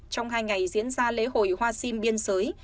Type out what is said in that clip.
trong hai ngày diễn ra lễ hội hoa sim biên giới